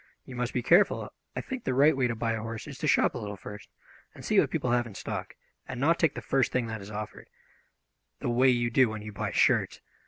You must be careful. I think the right way to buy a horse is to shop a little first, and see what people have in stock, and not take the first thing that is offered, the way you do when you buy shirts.